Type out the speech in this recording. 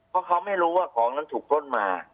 เพราะเขาไม่รู้ว่าของนั้นถูกปล้นมา